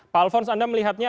pak alfons anda melihatnya